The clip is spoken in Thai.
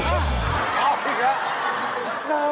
พออีกแล้ว